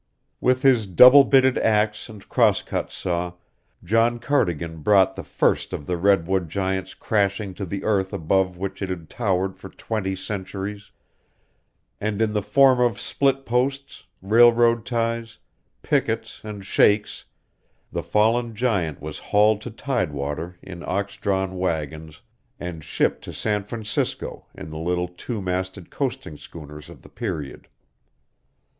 With his double bitted axe and crosscut saw John Cardigan brought the first of the redwood giants crashing to the earth above which it had towered for twenty centuries, and in the form of split posts, railroad ties, pickets, and shakes, the fallen giant was hauled to tidewater in ox drawn wagons and shipped to San Francisco in the little two masted coasting schooners of the period.